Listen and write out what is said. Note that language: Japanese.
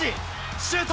シュート！